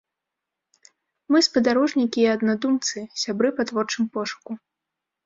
Мы спадарожнікі і аднадумцы, сябры па творчым пошуку.